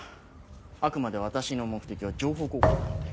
あくまで私の目的は情報交換なので。